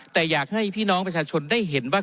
แต่อยากให้พี่น้องประชาชนได้เห็นว่า